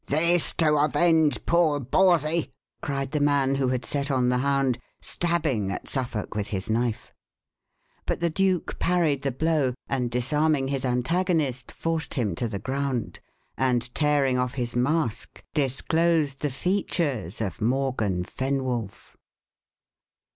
"This to avenge poor Bawsey!" cried the man who had set on the hound, stabbing at Suffolk with his knife. But the duke parried the blow, and, disarming his antagonist, forced him to the ground, and tearing off his mask, disclosed the features of Morgan Fenwolf.